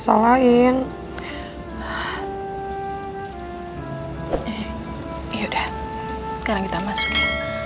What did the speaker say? yaudah sekarang kita masuk